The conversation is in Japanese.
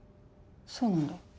そうなんだ。